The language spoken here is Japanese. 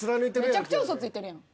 めちゃくちゃ嘘ついてるやん。